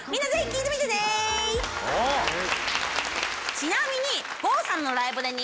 ちなみに。